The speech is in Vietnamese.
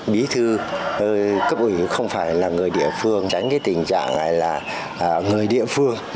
bí thư cấp ủy không phải là người địa phương tránh cái tình trạng là người địa phương